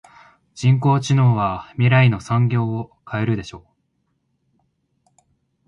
人工知能は未来の産業を変えるでしょう。